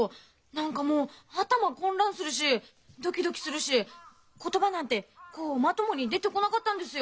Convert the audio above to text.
何かもう頭混乱するしドキドキするし言葉なんてこうまともに出てこなかったんですよ。